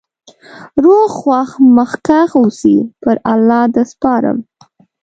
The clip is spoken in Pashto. روغ خوښ مخکښ اوسی.پر الله د سپارم